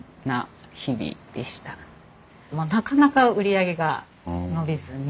なかなか売り上げが伸びずに。